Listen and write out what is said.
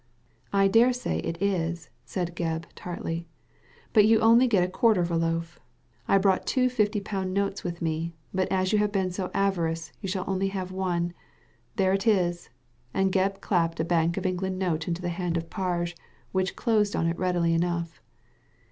I dare say it is," said Gebb, tartly ;*' but you only get a quarter of a loaf. I brought two fifty pound notes with me, but as you have been so avaricious, )rou shall only have one. There it is ;" and Gebb clapped a Bank of England note into the hand of Parge, which closed on it readily enough.